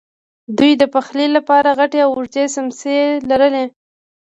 دوی د پخلی لپاره غټې او اوږدې څیمڅۍ لرلې.